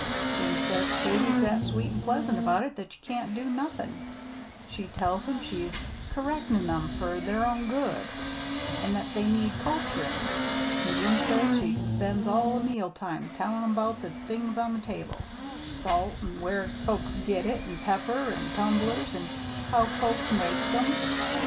"Jim says Katy's that sweet an' pleasant about it that ye can't do nothin'. She tells 'em she's kerrectin' 'em fur their own good, an' that they need culturin'. An' Jim says she spends all o' meal time tellin' 'bout the things on the table, salt, an' where folks git it, an' pepper, an' tumblers, an' how folks make 'em.